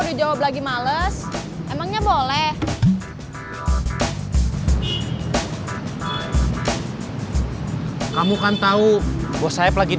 resemble suhaimanama tentang su obliged